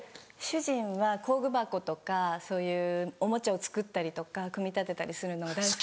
主人は工具箱とかそういうおもちゃを作ったりとか組み立てたりするのが大好きで。